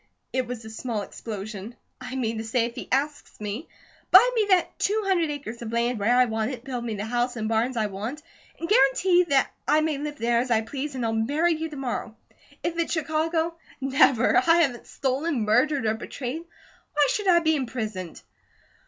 It was a small explosion. "I mean to say if he asks me, 'buy me that two hundred acres of land where I want it, build me the house and barns I want, and guarantee that I may live there as I please, and I'll marry you to morrow.' If it's Chicago Never! I haven't stolen, murdered, or betrayed, who should I be imprisoned?"